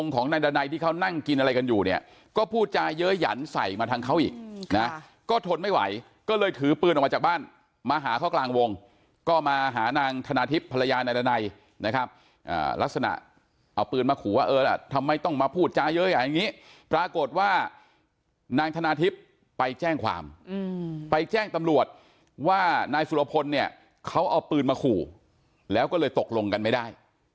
ก็พูดจาเยอะหยั่นใส่มาทางเขาอีกนะครับก็ทนไม่ไหวก็เลยถือปืนออกมาจากบ้านมาหาเขากลางวงก็มาหานางธนาทิพย์ภรรยานัยนัยนะครับอ่าลักษณะเอาปืนมาขู่ว่าเออล่ะทำไมต้องมาพูดจาเยอะอย่างงี้ปรากฏว่านางธนาทิพย์ไปแจ้งความอืมไปแจ้งตำรวจว่านายสุรพลเนี่ยเขาเอาปืนมาขู่แล้วก็เลยตกลงกันไม่ได้